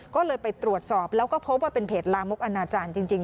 ก็เลยไปตรวจสอบแล้วก็พบว่าเป็นเพจลามกอนาจารย์จริง